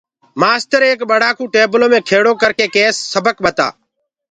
مآستر ايڪ ٻڙآ ڪو ٽيبلو مي کِيڙو ڪرڪي ڪيس سبڪ ٻتآ